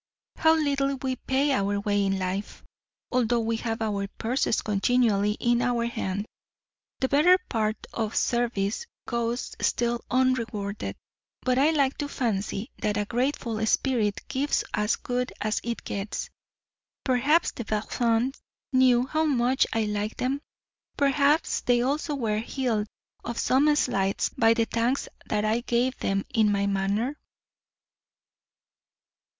How little we pay our way in life! Although we have our purses continually in our hand, the better part of service goes still unrewarded. But I like to fancy that a grateful spirit gives as good as it gets. Perhaps the Bazins knew how much I liked them? perhaps they also were healed of some slights by the thanks that I gave them in my manner?